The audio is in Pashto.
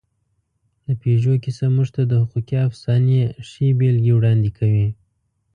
د پيژو کیسه موږ ته د حقوقي افسانې ښې بېلګې وړاندې کوي.